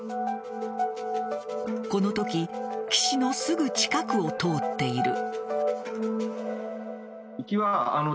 このとき岸のすぐ近くを通っている。